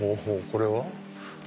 これは？